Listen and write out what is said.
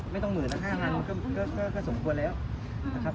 ไม่ต้องหมื่นละ๕๐๐๐บาทก็สมควรแล้ว